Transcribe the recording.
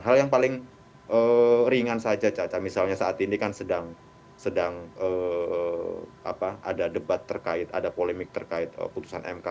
hal yang paling ringan saja caca misalnya saat ini kan sedang ada debat terkait ada polemik terkait putusan mk